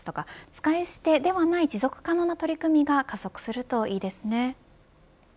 使い捨てではない持続可能な取り組みが加速するといいですね。